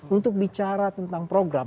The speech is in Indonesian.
untuk bicara tentang program